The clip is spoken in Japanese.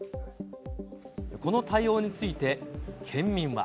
この対応について、県民は。